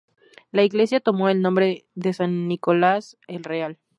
La iglesia tomó el nombre de San Nicolás el Real.